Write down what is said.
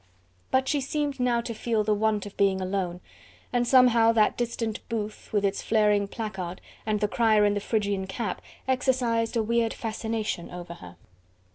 But she seemed now to feel the want of being alone, and, somehow, that distant booth with its flaring placard, and the crier in the Phrygian cap, exercised a weird fascination over her.